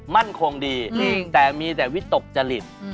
มั่นคงดีแต่มีแต่วิตกจริต